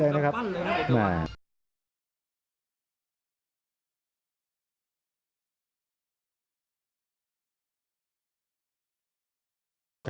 อัศวินาศาสตร์